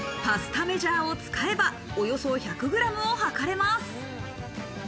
パスタメジャーを使えばおよそ１００グラムを量れます。